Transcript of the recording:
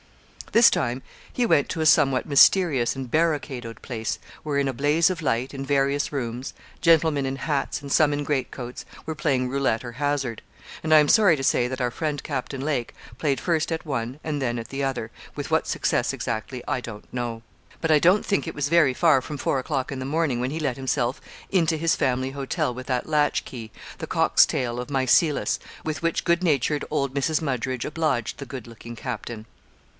This time he went to a somewhat mysterious and barricadoed place, where in a blaze of light, in various rooms, gentlemen in hats, and some in great coats, were playing roulette or hazard; and I am sorry to say, that our friend, Captain Lake, played first at one and then at the other, with what success exactly I don't know. But I don't think it was very far from four o'clock in the morning when he let himself into his family hotel with that latchkey, the cock's tail of Micyllus, with which good natured old Mrs. Muggeridge obliged the good looking captain.